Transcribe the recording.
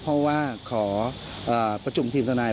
เพราะว่าขอประชุมทีมทนาย